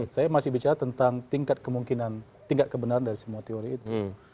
saya masih bicara tentang tingkat kemungkinan tingkat kebenaran dari semua teori itu